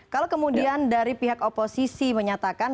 kalau kemudian dari pihak oposisi menyatakan